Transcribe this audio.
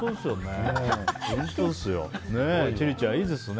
千里ちゃん、いいですね